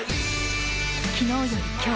昨日より今日。